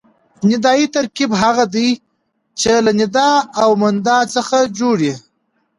ندایي ترکیب هغه دئ، چي له ندا او منادا څخه جوړ يي.